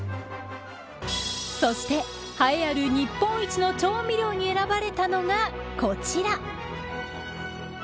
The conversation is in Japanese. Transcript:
そして、栄えある日本一の調味料に選ばれたのがこちら。